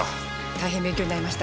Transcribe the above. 大変勉強になりました。